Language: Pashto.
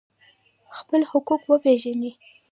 خپل حقوق وپیژنئ